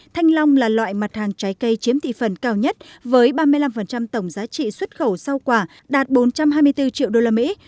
thanh long là loại mặt hàng trái cây chiếm thị phần cao nhất với ba mươi năm tổng giá trị xuất khẩu rau quả đạt bốn trăm hai mươi bốn triệu đô la mỹ